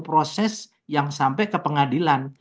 proses yang sampai ke pengadilan